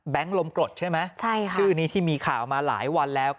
แบงค์ลมกรดใช่ไหมชื่อนี้ที่มีข่าวมาหลายวันแล้ว